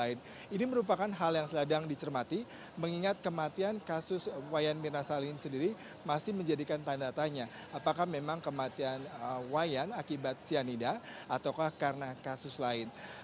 ini merupakan hal yang sedang dicermati mengingat kematian kasus wayan mirna salihin sendiri masih menjadikan tanda tanya apakah memang kematian wayan akibat cyanida atau karena kasus lain